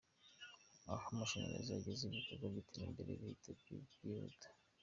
Aho amashanyarazi ageze ibikorwa by'iterambere bihita byihuta.